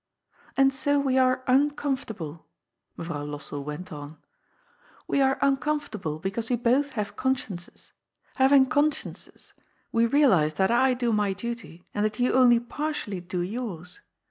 '^'^ And so we are uncomfortable," Mevrouw LosseU went on. '^We are uncomfortable because we both have con sciences. Haying consciences, we realize that I do my duty and that you only partially do yours.